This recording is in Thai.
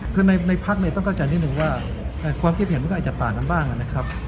คือในพักเนี่ยต้องเข้าใจนิดนึงว่าความคิดเห็นมันก็อาจจะต่างกันบ้างนะครับ